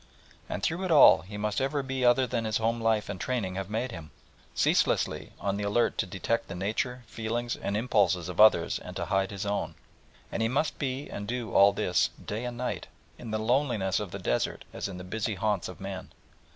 And through it all he must ever be other than his home life and training have made him. Ceaselessly on the alert to detect the nature, feelings, and impulses of others and to hide his own. And he must be and do all this day and night, in the loneliness of the desert as in the busy haunts of men.